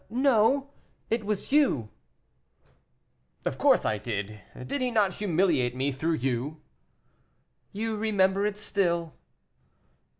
"No, it was you." "Of course I did; did he not humiliate me through you?" "You remember it still."